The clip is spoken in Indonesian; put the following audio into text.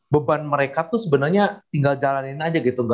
beban mereka tuh sebenarnya tinggal jalanin aja gitu